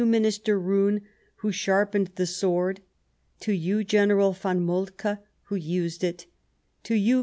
Minister Roon, who sharpened the sword ; to you. General von Moltke, who used it ; to you.